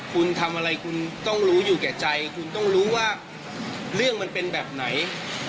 คุณทำอะไรคุณต้องรู้อยู่แก่ใจคุณต้องรู้ว่าเรื่องมันเป็นแบบไหน